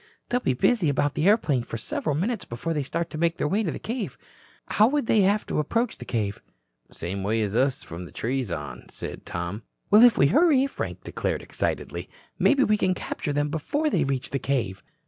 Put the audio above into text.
"They'll be busy about the airplane for several minutes before they start to make their way to the cave. How would they have to approach the cave?" "Same way as us from the trees on," said Tom. "Well, if we hurry," Frank declared excitedly, "maybe we can capture them before they reach the cave."